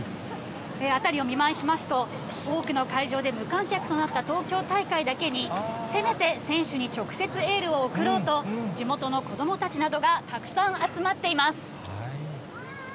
辺りを見回しますと、多くの会場で無観客となった東京大会だけに、せめて選手に直接エールを送ろうと、地元の子どもたちなどがたくさん集まっています。